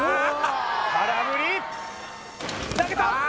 空振り投げた！